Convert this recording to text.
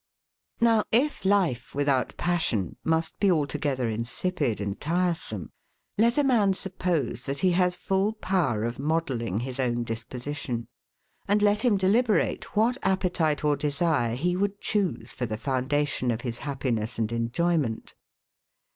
Now if life, without passion, must be altogether insipid and tiresome; let a man suppose that he has full power of modelling his own disposition, and let him deliberate what appetite or desire he would choose for the foundation of his happiness and enjoyment.